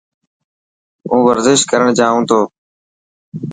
هون ورزش ڪرڻ جائون تو.